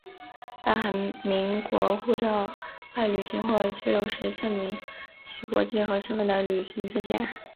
大韩民国护照外旅行或居留时证明其国籍和身份的旅行证件。